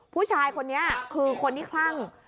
ผู้ชายคนนี้คือคนที่คลั่ง